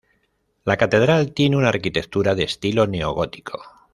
La catedral tiene una arquitectura de estilo neogótico.